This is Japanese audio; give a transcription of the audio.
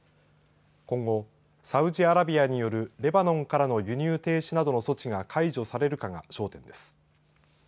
今後サウジアラビアによるレバノンからの輸入停止などの措置が解除されるかが焦点です。